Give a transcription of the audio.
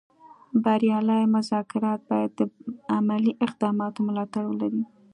بریالي مذاکرات باید د عملي اقداماتو ملاتړ ولري